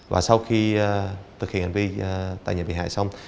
và sau khi thực hiện hành vi tại nhà bị hại xong